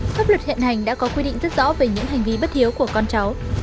pháp luật hiện hành đã có quy định rất rõ về những hành vi bất hiếu của con cháu